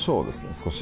少し。